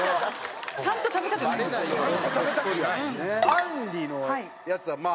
あんりのやつはまあ。